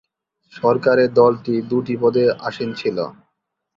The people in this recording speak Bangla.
সরকারে দলটি দুটি পদে আসীন ছিল।